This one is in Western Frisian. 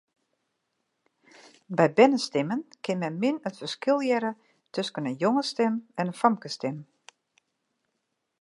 By bernestimmen kin men min it ferskil hearre tusken in jongesstim en in famkesstim.